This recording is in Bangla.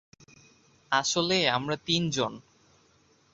আসলে, আমরা তিন জন।